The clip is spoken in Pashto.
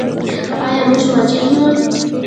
آیا موږ مهاجرین یو؟